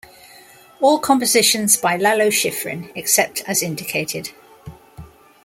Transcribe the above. "All compositions by Lalo Schifrin except as indicated"